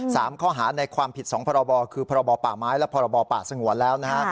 สามข้อหาในความผิดสองพรบคือพรบป่าไม้และพรบป่าสงวนแล้วนะฮะ